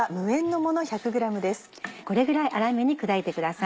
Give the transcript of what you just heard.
これぐらい粗めに砕いてください。